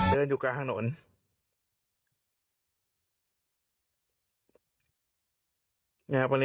เดินอยู่กลางถนน